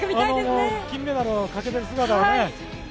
金メダルをかけてる姿をね。